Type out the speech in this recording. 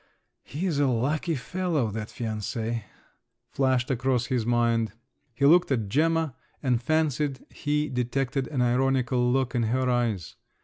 "He's a lucky fellow, that fiancé!" flashed across his mind. He looked at Gemma, and fancied he detected an ironical look in her eyes.